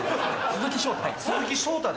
鈴木翔太